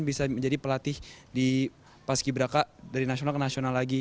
bisa menjadi pelatih di paski beraka dari nasional ke nasional lagi